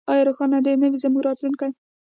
آیا روښانه دې نه وي زموږ راتلونکی؟